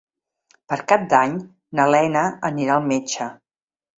Per Cap d'Any na Lena anirà al metge.